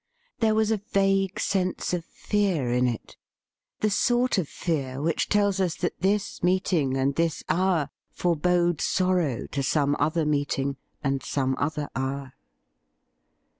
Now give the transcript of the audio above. There was a vague sense of fear in it — the sort of fear which tells us that this meeting and this hour forbode sorrow to some other meeting and some other hour.